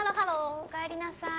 おかえりなさい。